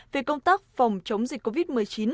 về công tác phòng chống dịch covid một mươi chín